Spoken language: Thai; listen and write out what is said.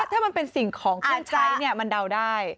ถ้ามันเป็นสิ่งของเครื่องใช้มันเดาได้